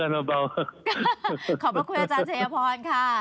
ขอบพระคุณอาจารย์ชัยพรค่ะ